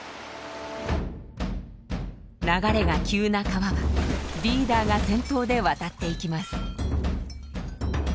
流れが急な川はリーダーが先頭で渡っていきます。